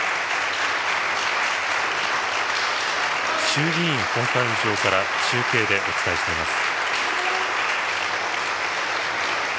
衆議院本会議場から中継でお伝えしています。